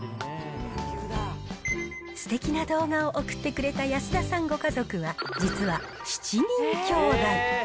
すてきな動画を送ってくれた安田さんご家族は、実は７人きょうだい。